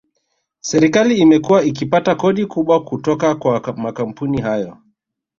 Serikali imekuwa ikipata kodi kubwa kutoka kwa makampuni hayo